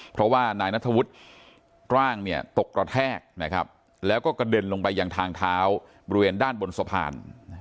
เพราะว่านายนัทธวุฒิร่างเนี่ยตกกระแทกนะครับแล้วก็กระเด็นลงไปยังทางเท้าบริเวณด้านบนสะพาน